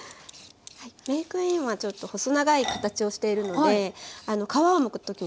メークインはちょっと細長い形をしているので皮をむくときにすごくむきやすいんですね。